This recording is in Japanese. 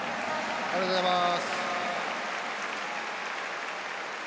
ありがとうございます。